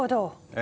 え？